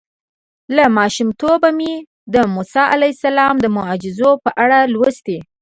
له ماشومتوبه مې د موسی علیه السلام د معجزو په اړه لوستي.